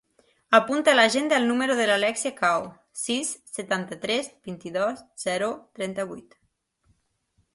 Apunta a l'agenda el número de l'Alèxia Cao: sis, setanta-tres, vint-i-dos, zero, trenta-vuit.